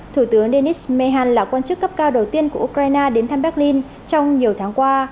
thủ tướng denis mehut là quan chức cấp cao đầu tiên của ukraine đến thăm berlin trong nhiều tháng qua